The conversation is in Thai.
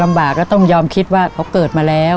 ลำบากก็ต้องยอมคิดว่าเขาเกิดมาแล้ว